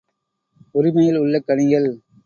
உரிமையில் உள்ள கனிகள்!